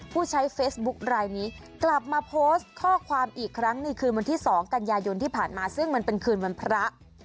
ผู้ใช้เฟซบุ๊คลายนี้กลับมาโพสต์ข้อความอีกครั้งในคืนวันที่๒กันยายนที่ผ่านมาซึ่งมันเป็นคืนวันพระ